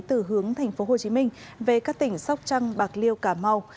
từ hướng thành phố hồ chí minh về các tỉnh sóc trăng bạc liêu cà mau